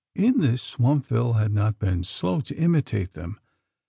In this, Swampville had not been slow to imitate them.